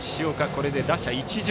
これで打者一巡。